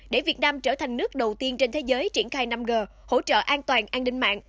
để việt nam trở thành nước đầu tiên trên thế giới triển khai năm g hỗ trợ an toàn an ninh mạng